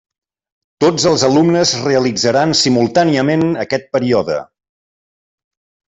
Tots els alumnes realitzaran simultàniament aquest període.